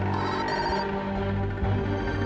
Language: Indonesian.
aku malah dimatikan